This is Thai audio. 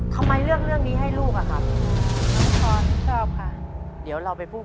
ทำไมเลือกเรื่องนี้ให้ลูกอ่ะครับ